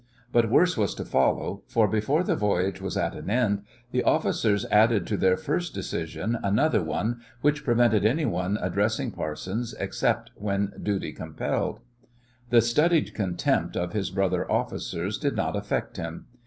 But worse was to follow, for before the voyage was at an end the officers added to their first decision another one which prevented anyone addressing Parsons except when duty compelled. The studied contempt of his brother officers did not affect him.